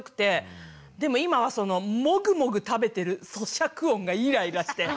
でも今はそのもぐもぐ食べてるそしゃく音がイライラして。